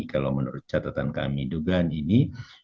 kalau menurut catatan kami dugaan ini